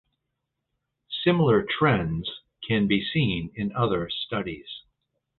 Similar trends can be seen in other studies.